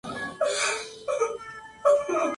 Fue lanzada como el segundo sencillo de "The Odd Couple".